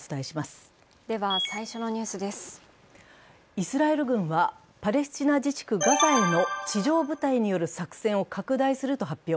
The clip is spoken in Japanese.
イスラエル軍は、パレスチナ自治区ガザへの地上部隊による作戦を拡大すると発表。